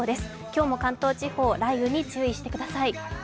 今日も関東地方、雷雨に注意してください。